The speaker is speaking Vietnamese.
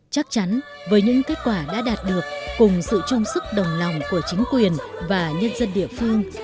chắc chắn với những kết quả đã đạt được cùng sự trung sức đồng lòng của chính quyền và nhân dân địa phương